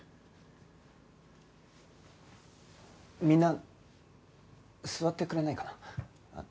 みんな座ってくれないかな？